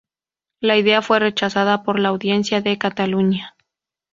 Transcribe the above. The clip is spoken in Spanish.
La idea fue rechazada por la audiencia de Cataluña.